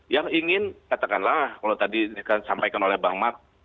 yang ingin katakanlah kalau tadi disampaikan oleh bang mart